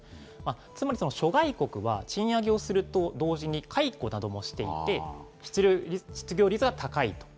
つまり諸外国は、賃上げをすると同時に解雇などもしていて、失業率が高いと。